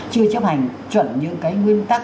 chưa chấp hành chuẩn những cái nguyên tắc